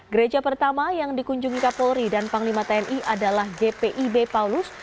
gereja pertama yang dikunjungi kapolri dan panglima tni adalah gpib paulus